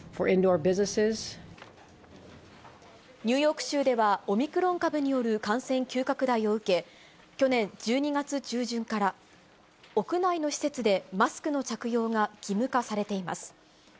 ニューヨーク州では、オミクロン株による感染急拡大を受け、去年１２月中旬から、屋内の施設でマスクの着用が義務化されています。